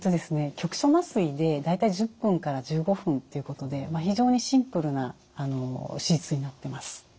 局所麻酔で大体１０分から１５分ということで非常にシンプルな手術になってます。